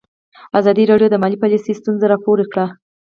ازادي راډیو د مالي پالیسي ستونزې راپور کړي.